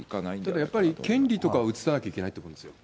ただやっぱり権利とか移さなきゃいけないということですよ。